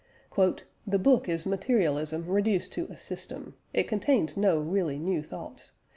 "The book is materialism reduced to a system. It contains no really new thoughts.